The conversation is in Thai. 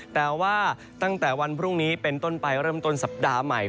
แต่ว่าตั้งแต่วันพรุ่งนี้เป็นต้นไปเริ่มต้นสัปดาห์ใหม่